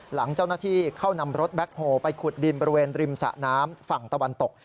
หลังเจ้าหน้าที่เข้านำรถแบ็คโฮลไปขุดดินบริเวณริมสะน้ำฝั่งตะวันตก